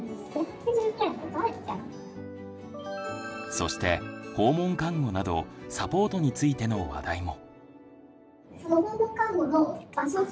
そして訪問看護などサポートについての話題も。